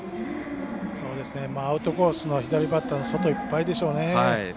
アウトコースの左バッターの外いっぱいでしょうね。